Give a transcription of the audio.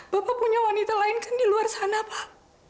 bapak punya wanita lain kan di luar sana pak